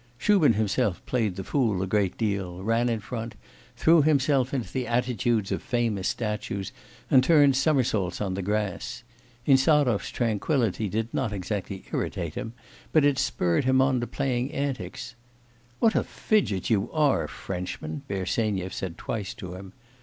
Shubin himself played the fool a great deal, ran in front, threw himself into the attitudes of famous statues, and turned somersaults on the grass; Insarov's tranquillity did not exactly irritate him, but it spurred him on to playing antics. 'What a fidget you are, Frenchman!' Bersenyev said twice to him.